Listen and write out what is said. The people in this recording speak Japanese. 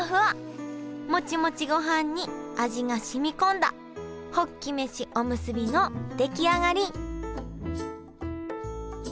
モチモチごはんに味がしみこんだホッキ飯おむすびの出来上がり！